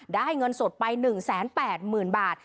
ได้เงินสดไป๑๘๐๐๐บาท